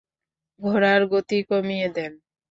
ঘোড়ার গতি কমিয়ে দেন।